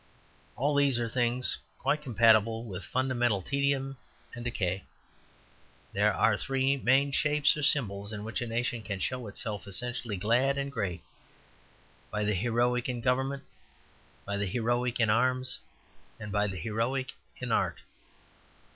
All these are things quite compatible with fundamental tedium and decay. There are three main shapes or symbols in which a nation can show itself essentially glad and great by the heroic in government, by the heroic in arms, and by the heroic in art.